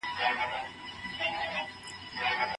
د ټولنپوهنې څېړنې د علمي د پرمختګونو لامل ګرځي.